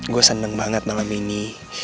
gue senang banget malam ini